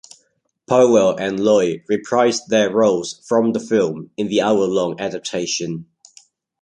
Powell and Loy reprised their roles from the film in the hour-long adaptation.